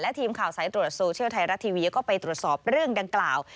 ทีมข่าวสายตรวจโซเชียลไทยรัฐทีวีก็ไปตรวจสอบเรื่องดังกล่าว